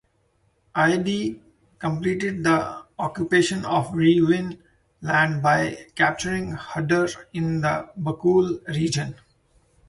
Aideed completed the occupation of Reewin land by capturing Huddur in the Bakool Region.